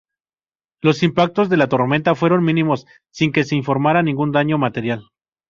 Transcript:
Los impactos de la tormenta fueron mínimos, sin que se informara ningún daño material.